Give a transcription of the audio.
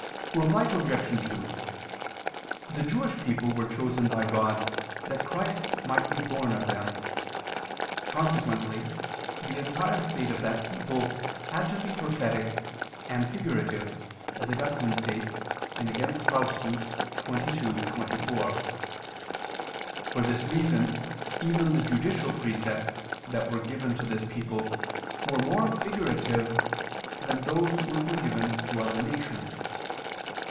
Reply Obj. 2: The Jewish people were chosen by God that Christ might be born of them. Consequently the entire state of that people had to be prophetic and figurative, as Augustine states (Contra Faust. xxii, 24). For this reason even the judicial precepts that were given to this people were more figurative that those which were given to other nations.